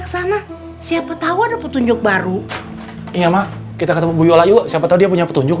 ke sana siapa tahu ada petunjuk baru iya ma kita ketemu bu yola yuk siapa tahu dia punya petunjuk